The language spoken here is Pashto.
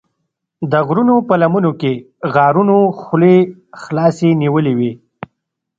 د غرونو په لمنو کې غارونو خولې خلاصې نیولې وې.